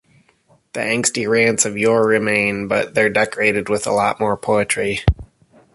The angsty rants of yore remain, but they're decorated with a lot more poetry.